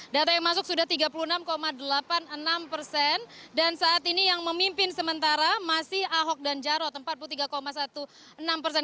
data yang masuk sudah tiga puluh enam delapan puluh enam persen dan saat ini yang memimpin sementara masih ahok dan jarot empat puluh tiga enam belas persen